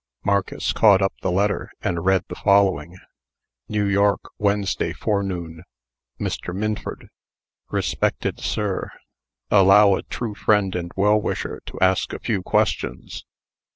Marcus caught up the letter, and read the following: NEW YORK, Wednesday Forenoon. MR. MINFORD: RESPECTED SIR: Allow a true friend and well wisher to ask a few questions.